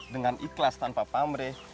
dengan ikhlas tanpa pamrih